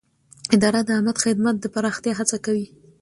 اداره د عامه خدمت د پراختیا هڅه کوي.